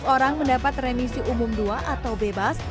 seratus orang mendapat remisi umum dua atau bebas